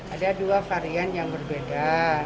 ada dua varian yang berbeda